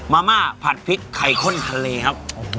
มาม่าผัดพริกไข่ข้นทะเลครับ